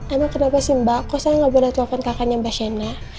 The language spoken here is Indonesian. emang kenapa sih mbak kok saya gak boleh telepon kakaknya mbak shena